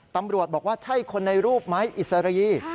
ตำรวจบอกว่าใช่คนในรูปไหมอิสรี